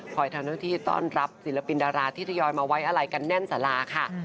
ทำหน้าที่ต้อนรับศิลปินดาราที่ทยอยมาไว้อะไรกันแน่นสาราค่ะ